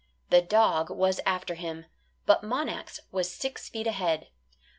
The dog was after him, but Monax was six feet ahead.